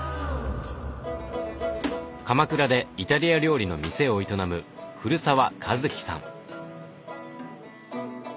鎌倉でイタリア料理の店を営む古澤一記さん。